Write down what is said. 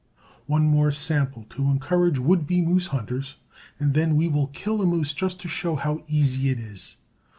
One more sample to encourage would be moose hunters, and then we will kill a moose just to show how easy it is.